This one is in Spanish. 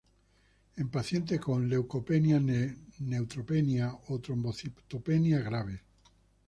En pacientes con leucopenia, neutropenia o trombocitopenia graves.